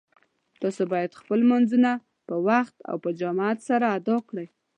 تاسو باید خپل لمونځونه په وخت او په جماعت سره ادا کړئ